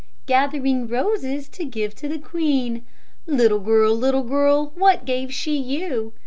"Gathering roses to give to the Queen." "Little girl, little girl, what gave she you?"